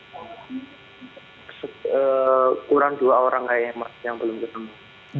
kurang dua orang kayaknya mas yang belum ketemu